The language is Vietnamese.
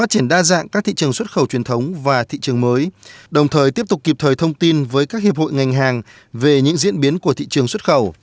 phát triển đa dạng các thị trường xuất khẩu truyền thống và thị trường mới đồng thời tiếp tục kịp thời thông tin với các hiệp hội ngành hàng về những diễn biến của thị trường xuất khẩu